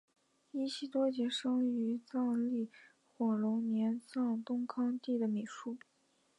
依喜多杰生于藏历火龙年藏东康地的米述。